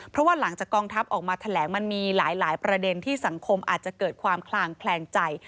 เพราะว่าหลังจากกองทัพออกมาแถลงมันมีหลายประเด็นที่สังคมอาจจะเกิดความคลางแคลงใจ